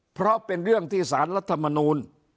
เพราะเป็นเรื่องที่สารรัฐมนูล